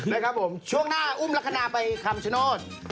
นะครับผมช่วงหน้าอุ้มลักษณะไปคำชโนธ